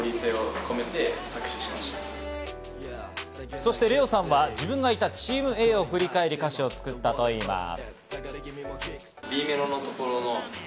そしてＬＥＯさんは自分がいたチームＡを振り返り、歌詞を作ったといいます。